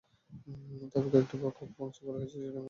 তবে কয়টি কক্ষ ভাঙচুর করা হয়েছে, সেটি আমরা এখনো দেখতে পারিনি।